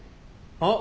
あっ。